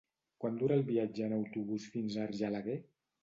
Quant dura el viatge en autobús fins a Argelaguer?